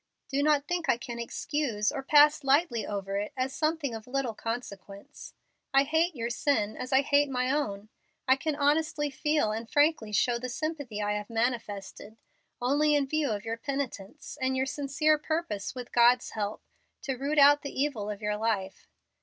Do not think I can excuse or pass lightly over it as something of little consequence. I hate your sin as I hate my own. I can honestly feel and frankly show the sympathy I have manifested, only in view of your penitence, and your sincere purpose, with God's help, to root out the evil of your life.